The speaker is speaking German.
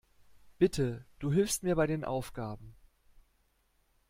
Bitte, du hilfst mir bei den Aufgaben.